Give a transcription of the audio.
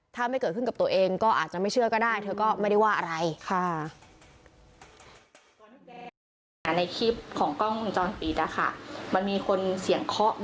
ถ้าไม่เกิดขึ้นกับตัวเองก็อาจจะไม่เชื่อก็ได้